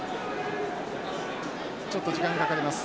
ちょっと時間がかかります。